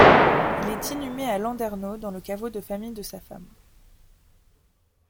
Il est inhumé à Landerneau dans le caveau de famille de sa femme.